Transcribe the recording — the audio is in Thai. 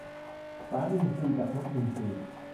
สารอินทรีย์จากนกอินทรี